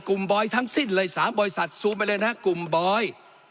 บอยทั้งสิ้นเลย๓บริษัทซูมไปเลยนะครับกลุ่มบอย